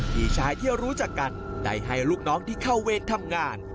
พี่ชายที่รู้จักกันได้ให้ลูกน้องที่เข้าเวรทำงาน